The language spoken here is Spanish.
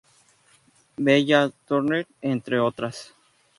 Bella Thorne, entre otras.